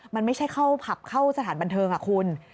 มันไม่ใช่เข้าผับเข้าสถานบันเทิงคุณ